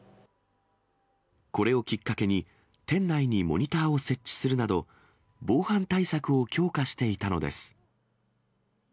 これをきっかけに、店内にモニターを設置するなど、防犯対策を強化していたのです。